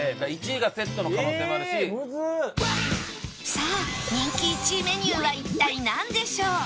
さあ人気１位メニューは一体なんでしょう？